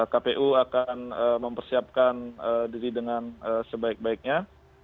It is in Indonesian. kpu akan mempersiapkan diri dengan sebaik baiknya